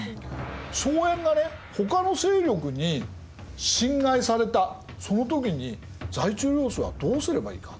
荘園がねほかの勢力に侵害されたその時に在地領主はどうすればいいか？